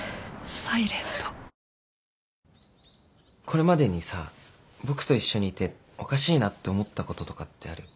これまでにさ僕と一緒にいておかしいなって思ったこととかってある？